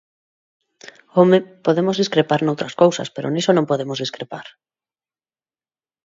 ¡Home!, podemos discrepar noutras cousas, pero niso non podemos discrepar.